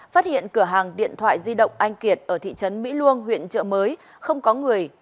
phát hiện cửa hàng điện thoại di động anh kiệt ở thị trấn mỹ luông huyện trợ mới không có người